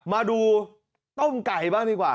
มาดูต้มไก่บ้างดีกว่า